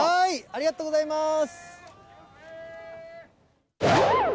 ありがとうございます。